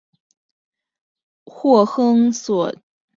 霍亨索伦桥是位于德国科隆的一座跨越莱茵河的桥梁。